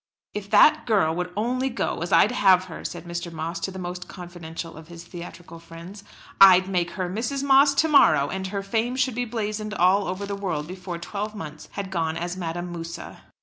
"If that girl would only go as I'd have her," said Mr. Moss to the most confidential of his theatrical friends, "I'd make her Mrs. Moss to morrow, and her fame should be blazoned all over the world before twelve months had gone as Madame Moussa."